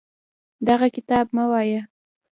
دغه کتاب مه وایه.